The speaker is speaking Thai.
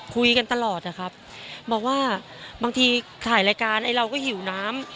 คุยกันตลอดนะครับบอกว่าบางทีถ่ายรายการไอ้เราก็หิวน้ำ